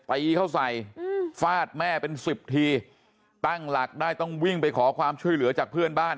ตีเขาใส่ฟาดแม่เป็นสิบทีตั้งหลักได้ต้องวิ่งไปขอความช่วยเหลือจากเพื่อนบ้าน